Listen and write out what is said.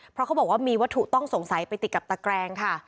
เพราะเขาบอกว่ามีวัตถุต้องสงสัยไปติดกับตะแกรงค่ะ